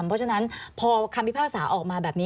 เพราะฉะนั้นพอคำพิพากษาออกมาแบบนี้